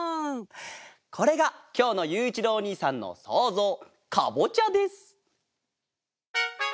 これがきょうのゆういちろうおにいさんのそうぞうかぼちゃです！